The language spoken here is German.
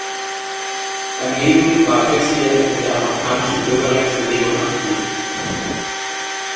Daneben war Jessye in der amerikanischen Bürgerrechtsbewegung aktiv.